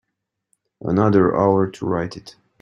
Another hour to write it.